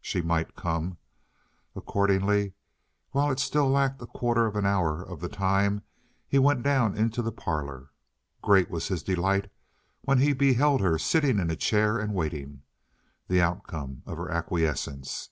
She might come. Accordingly, when it still lacked a quarter of an hour of the time, he went down into the parlor. Great was his delight when he beheld her sitting in a chair and waiting—the outcome of her acquiescence.